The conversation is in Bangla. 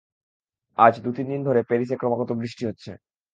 আজ দু-তিন দিন ধরে প্যারিসে ক্রমাগত বৃষ্টি হচ্ছে।